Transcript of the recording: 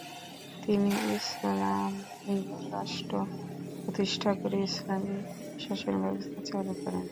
তিনি ইসলামি রাষ্ট্র প্রতিষ্ঠা করে ইসলামি শাসনব্যবস্থা চালু করেন।